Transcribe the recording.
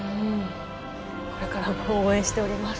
これからも応援しております。